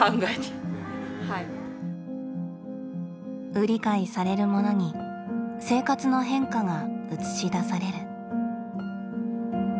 売り買いされるものに生活の変化が映し出される。